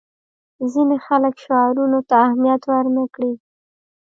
ځینې خلک شعارونو ته اهمیت ورنه کړي.